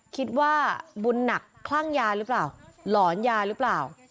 คิดว่าบุญหนักคลั่งยาหรือเปล่าหลอนยาหรือเปล่า